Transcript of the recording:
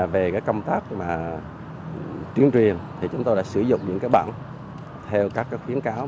về công tác truyền truyền chúng tôi đã sử dụng những bản theo các khuyến cáo